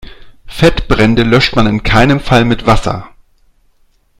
Fettbrände löscht man in keinem Fall mit Wasser.